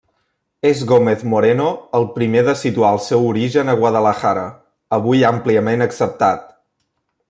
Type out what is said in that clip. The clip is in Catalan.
És Gómez-Moreno el primer de situar el seu origen a Guadalajara, avui àmpliament acceptat.